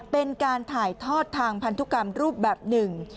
เป็นการถ่ายทอดทางพันธุกรรมรูปแบบหนึ่ง